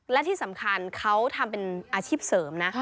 และที่สำคัญเขาทำเป็นอาชีพเสริมนะ